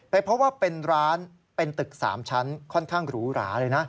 เพราะว่าเป็นร้านเป็นตึก๓ชั้นค่อนข้างหรูหราเลยนะ